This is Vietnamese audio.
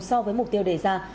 so với mục tiêu đề ra